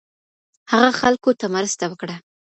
هغه خلکو ته مرسته وکړه